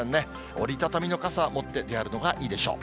折り畳みの傘、持って歩くのがいいでしょう。